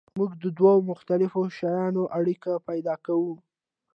موږ د دوو مختلفو شیانو اړیکه پیدا کوو.